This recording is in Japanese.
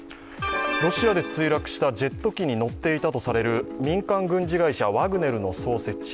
ロシアで墜落したジェット機に乗っていたとされる民間軍事会社ワグネルの創設者